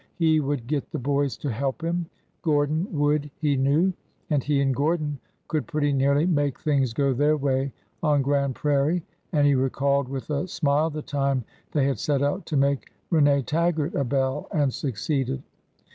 He would get the boys to help him — Gordon would, he knew; and he and Gordon could pretty nearly make things go their way on Grand Prairie,— and he recalled with a smile the time they had set out to make Rene Taggart a belle," and succeeded.